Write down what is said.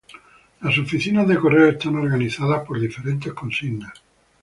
Las oficinas de correos están organizadas por diferentes consignas.